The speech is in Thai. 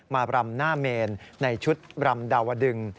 มารำหน้าเมนในชุดรำดาวดึง